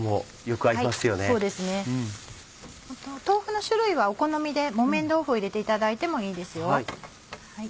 豆腐の種類はお好みで木綿豆腐を入れていただいてもいいですよ。